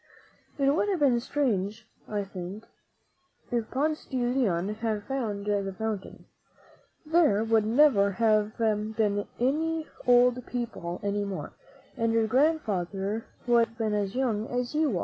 It would have been very strange, I think, if Ponce de Leon had found the fountain. There would never have been any old people any more, and your grand father would have been as young as you are.